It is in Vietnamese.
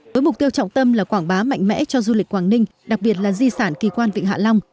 với mục tiêu trọng tâm là quảng bá mạnh mẽ cho du lịch quảng ninh đặc biệt là di sản kỳ quan vịnh hạ long